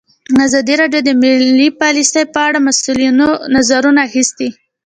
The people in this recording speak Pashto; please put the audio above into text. ازادي راډیو د مالي پالیسي په اړه د مسؤلینو نظرونه اخیستي.